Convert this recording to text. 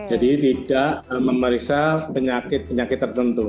jadi tidak memeriksa penyakit penyakit tertentu